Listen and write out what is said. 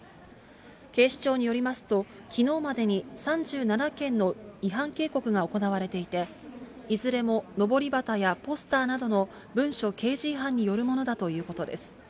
警視庁によりますと、きのうまでに３７件の違反警告が行われていて、いずれものぼり旗やポスターなどの文書掲示違反によるものだということです。